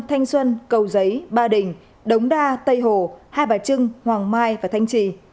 thanh xuân cầu giấy ba đình đống đa tây hồ hai bà trưng hoàng mai và thanh trì